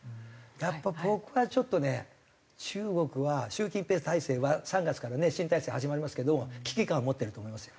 やっぱ僕はちょっとね中国は習近平体制は３月からね新体制始まりますけど危機感は持ってると思いますよ。